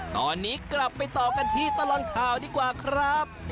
ตอนนี้กลับไปต่อกันที่ตลอดข่าวดีกว่าครับ